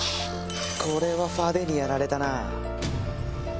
これはファでにやられたな。